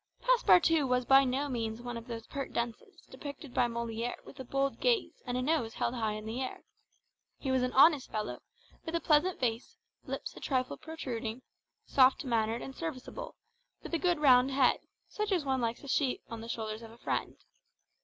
Passepartout was by no means one of those pert dunces depicted by Molière with a bold gaze and a nose held high in the air; he was an honest fellow, with a pleasant face, lips a trifle protruding, soft mannered and serviceable, with a good round head, such as one likes to see on the shoulders of a friend.